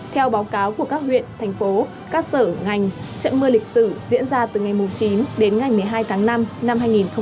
theo báo cáo của các huyện thành phố các sở ngành trận mưa lịch sử diễn ra từ ngày chín đến ngày một mươi hai tháng năm năm hai nghìn một mươi chín